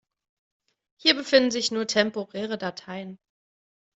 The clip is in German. Hier befinden sich nur temporäre Dateien.